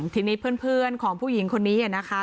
ทีนี้เพื่อนของผู้หญิงคนนี้นะคะ